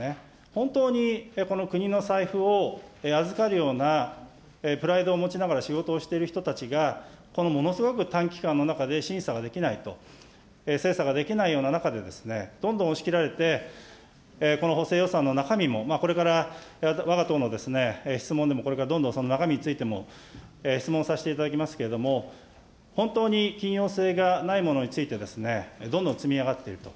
本当に、この国の財布を預かるようなプライドを持ちながら仕事をしている人たちが、このものすごく短期間の中で審査ができないと、精査ができないような中で、どんどん押し切られて、この補正予算の中身もこれからわが党の質問でも、これからどんどん、その中身についても質問させていただきますけれども、本当に緊要性がないものについて、どんどん積み上がっていると。